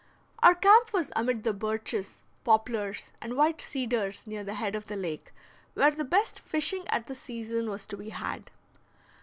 Our camp was amid the birches, poplars, and white cedars near the head of the lake, where the best fishing at this season was to be had.